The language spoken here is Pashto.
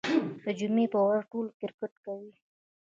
د جمعې په ورځ ټول کرکټ کوي.